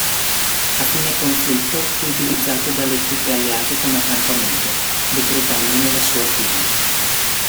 A fine conflitto fu utilizzato dalle truppe alleate come accampamento, decretandone la sua fine.